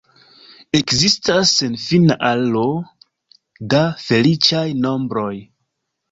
Ekzistas senfina aro da feliĉaj nombroj.